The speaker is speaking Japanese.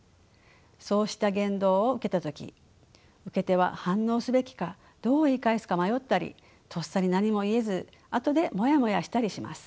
そうした言動を受けた時受け手は反応すべきかどう言い返すか迷ったりとっさに何も言えず後でモヤモヤしたりします。